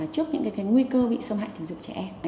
trước những nguy cơ bị xâm hại tình dục trẻ em